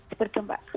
seperti itu mbak